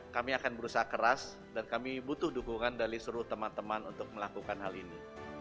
kami akan berusaha keras dan kami butuh dukungan dari seluruh teman teman untuk melakukan hal ini